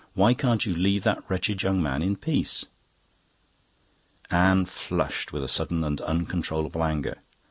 Why can't you leave that wretched young man in peace?" Anne flushed with a sudden and uncontrollable anger.